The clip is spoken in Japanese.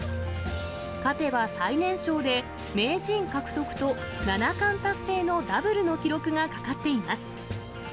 勝てば最年少で名人獲得と七冠達成のダブルの記録がかかっています。